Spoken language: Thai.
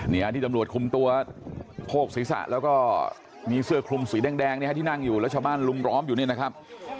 เนี่ยที่ตำรวจคลุมตัวโพกศีรษะแล้วก็มีเสื้อคลุมสีแดงที่นั่งอยู่รัชบ้านลุ้มล้อมอยู่นี่นะครับ